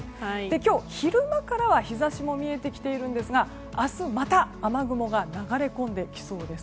今日、昼間からは日差しも見えてきているんですが明日また雨雲が流れ込んできそうです。